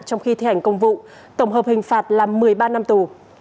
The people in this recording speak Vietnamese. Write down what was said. trong khi thi hành công vụ tổng hợp hình phạt là một mươi ba năm tù